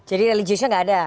jadi religiusnya gak ada